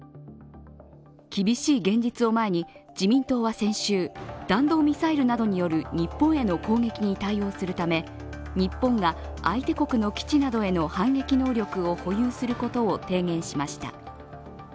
厳しい現実を前に自民党は先週、弾道ミサイルなどによる日本への攻撃に対応するため日本が相手国の基地などへの反撃能力を保有することを提言しました。